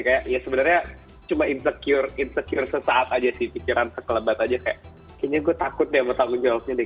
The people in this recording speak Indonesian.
kayaknya sebenarnya cuma insecure sesaat aja sih pikiran sekelebat aja kayaknya gue takut deh sama tanggung jawabnya deh